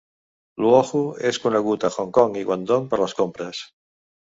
Luohu és conegut a Hong Kong i Guangdong per les compres.